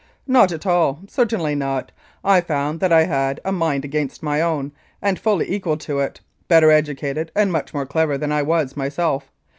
Not at all certainly not. I found that I had a mind against my own, and fully equal to it ; better educated and much more clever than I was myself.